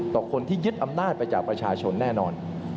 คนที่ยึดอำนาจไปจากประชาชนแน่นอน